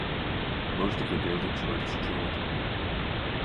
Most of the buildings were destroyed.